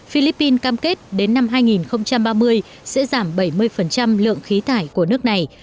philippines cam kết đến năm hai nghìn ba mươi sẽ giảm bảy mươi lượng khí thải của nước này